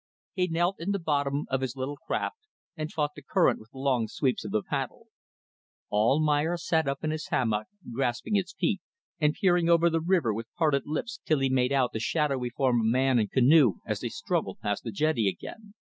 He knelt in the bottom of his little craft and fought the current with long sweeps of the paddle. Almayer sat up in his hammock, grasping his feet and peering over the river with parted lips till he made out the shadowy form of man and canoe as they struggled past the jetty again.